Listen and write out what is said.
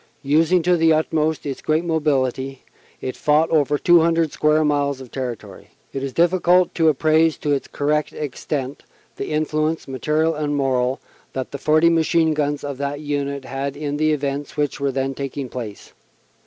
Using to the utmost its great mobility, it fought over 200 square miles of territory. It is difficult to appraise to its correct extent the influence, material and moral, that the 40 machine guns of that Unit had in the events which were then taking place.